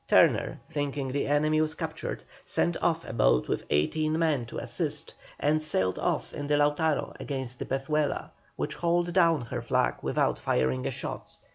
Turner, thinking the enemy was captured, sent off a boat with eighteen men to assist, and sailed off in the Lautaro against the Pezuela, which hauled down her flag without firing a shot.